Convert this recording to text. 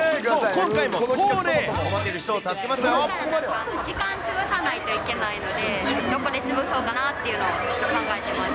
今から時間を潰さないといけないので、どこで潰そうかなというのをちょっと考えてます。